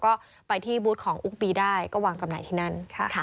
ก็ไปที่บูธของอุ้งปีได้ก็วางจำหน่ายที่นั่น